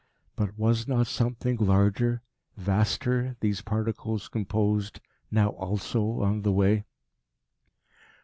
But was not something larger, vaster these particles composed now also on the way?